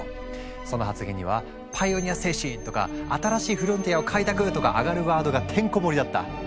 その発言には「パイオニア精神」とか「新しいフロンティアを開拓」とかアガるワードがてんこもりだった。